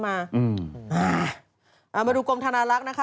มาดูกลมธนารักษ์นะคะ